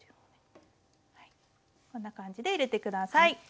こんな感じで入れて下さい。